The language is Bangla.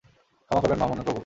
ক্ষমা করবেন, মহামান্য প্রভু!